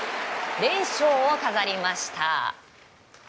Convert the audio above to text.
連勝を飾りました。